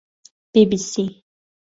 بی بی سی